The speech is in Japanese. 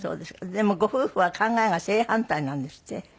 でもご夫婦は考えが正反対なんですって？